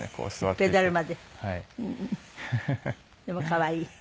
でも可愛い。